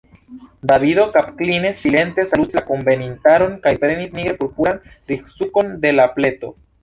Davido kapkline silente salutis la kunvenintaron kaj prenis nigre purpuran ribsukon de la pleto.